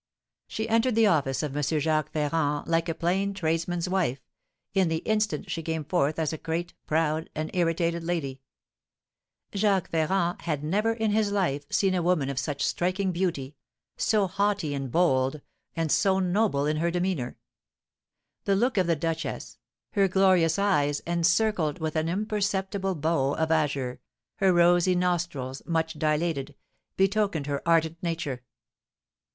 She entered the office of M. Jacques Ferrand like a plain tradesman's wife; in the instant she came forth as a great, proud, and irritated lady. Jacques Ferrand had never in his life seen a woman of such striking beauty, so haughty and bold, and so noble in her demeanour. The look of the duchess, her glorious eyes, encircled with an imperceptible bow of azure, her rosy nostrils, much dilated, betokened her ardent nature.